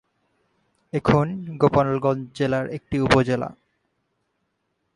এখন গোপালগঞ্জ জেলার একটি উপজেলা।